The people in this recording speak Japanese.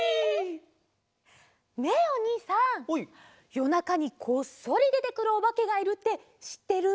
よなかにこっそりでてくるおばけがいるってしってる？